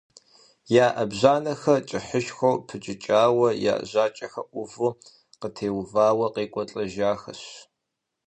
Я Ӏэбжьанэхэр кӀыхьышхуэу пыкӀыкӀауэ, я жьакӀэр Ӏуву къытеувауэ къекӀуэлӀэжахэщ.